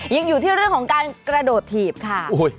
ยังอยู่ที่เรื่องของการกระโดดถีบค่ะ